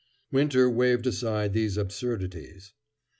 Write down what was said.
Winter waved aside these absurdities.